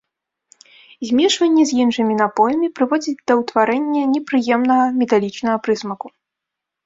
Змешванне з іншымі напоямі прыводзіць да ўтварэння непрыемнага металічнага прысмаку.